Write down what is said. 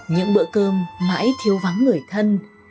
những bữa cơm mãi thiếu vắng người thân